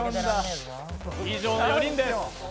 以上の４人です。